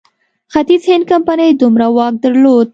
ختیځ هند کمپنۍ دومره واک درلود.